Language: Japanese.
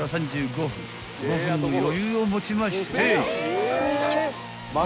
［５分の余裕を持ちまして］